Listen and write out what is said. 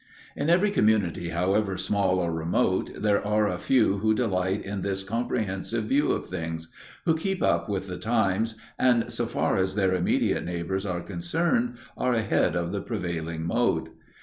In every community, however small or remote, there are a few who delight in this comprehensive view of things, who keep up with the times, and, so far as their immediate neighbours are concerned, are ahead of the prevailing mode.